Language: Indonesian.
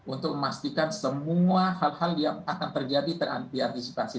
untuk memastikan semua hal hal yang akan terjadi terantisipasi